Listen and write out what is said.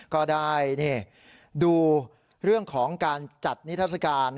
ก็ได้ดูเรื่องของการจัดนิทัศกาล